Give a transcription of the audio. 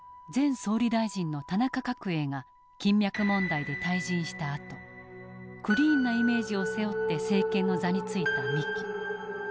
前総理大臣の田中角栄が金脈問題で退陣したあとクリーンなイメージを背負って政権の座についた三木。